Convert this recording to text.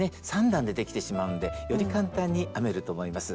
３段でできてしまうんでより簡単に編めると思います。